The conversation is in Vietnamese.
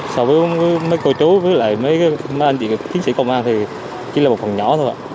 so với mấy cô chú với mấy anh chị chiến sĩ công an thì chỉ là một phần nhỏ thôi ạ